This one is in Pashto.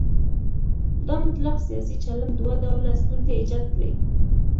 دا مطلق سیاسي چلن دوه ډوله ستونزې ایجاد کړي.